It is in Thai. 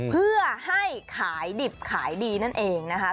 เพื่อให้ขายดิบขายดีนั่นเองนะคะ